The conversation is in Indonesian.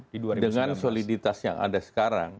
di dua ribu sembilan belas dengan soliditas yang ada sekarang